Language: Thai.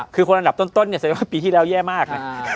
คือคนอันดับต้นใส่ว่าปีที่แล้วแย่มาก